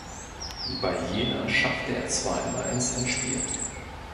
Bei jener schaffte er zweimal ins Endspiel.